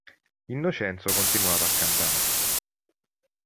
Innocenzo continuava a cantare.